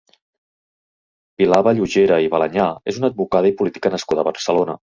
Pilar Vallugera i Balañà és una advocada i política nascuda a Barcelona.